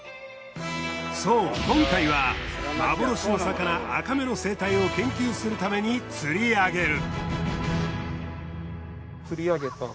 そう今回は幻の魚アカメの生態を研究するために釣り上げる。